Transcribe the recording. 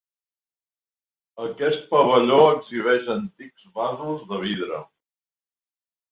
Aquest pavelló exhibeix antics vasos de vidre.